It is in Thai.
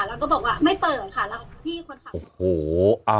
แล้วก็บอกว่าไม่เปิดค่ะแล้วพี่คนขับโอ้โห